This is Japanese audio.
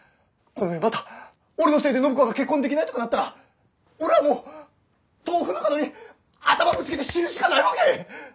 この上また俺のせいで暢子が結婚できないとかなったら俺はもう豆腐の角に頭をぶつけて死ぬしかないわけ！